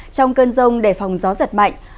trong cơn rông để phòng gió giật mạnh